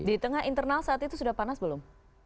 di tengah internal saat itu sudah panas belum